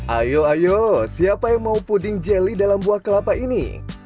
ayo ayo siapa yang mau puding jelly dalam buah kelapa ini